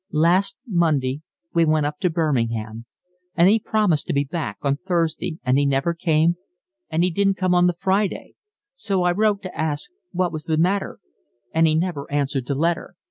"Last Monday week he went up to Birmingham, and he promised to be back on Thursday, and he never came, and he didn't come on the Friday, so I wrote to ask what was the matter, and he never answered the letter.